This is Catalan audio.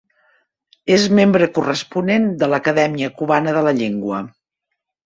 És membre corresponent de l'Acadèmia Cubana de la Llengua.